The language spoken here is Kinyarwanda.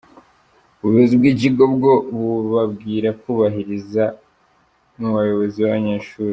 " ubuyobozi bw'ikigo bwo bubabwira kubariza mu bayobozi b'abanyeshuri.